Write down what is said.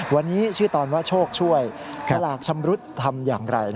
วันนี้ชื่อตอนว่าโชคช่วยสลากชำรุดทำอย่างไร